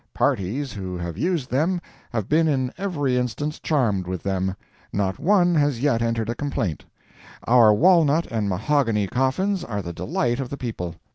Parties who have used them have been in every instance charmed with them. Not one has yet entered a complaint. Our walnut and mahogany coffins are the delight of the people.